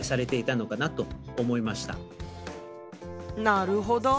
なるほど。